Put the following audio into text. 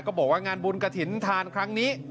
บอกว่างานบุญกระถิ่นทานครั้งนี้